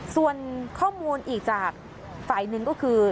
ส่วนข้อมูลอีกจากฝ่ายหนึ่งก็คือ